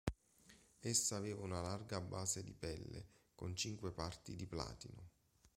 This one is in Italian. Essa aveva una larga base di pelle con cinque parti di platino.